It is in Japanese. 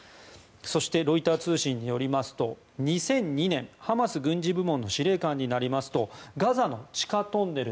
そしてロイター通信によりますと２００２年、ハマス軍事部門の司令官になりますとガザの地下トンネル